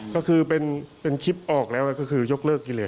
ก็คือเป็นคลิปออกแล้วก็คือยกเลิกกิเล